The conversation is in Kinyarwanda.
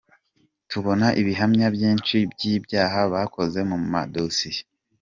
Tubona ibihamya byinshi by’ ibyaha bakoze mu madosiye’.